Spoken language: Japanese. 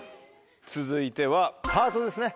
続いてはハートですね